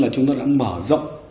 chúng tôi đã mở rộng